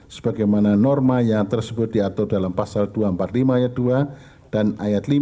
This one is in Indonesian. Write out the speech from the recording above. sebagaimana norma yang tersebut diatur dalam pasal dua ratus empat puluh lima ayat dua dan ayat lima